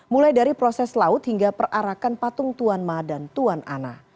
mulai dari proses laut hingga perarakan patung tuan ma dan tuan ana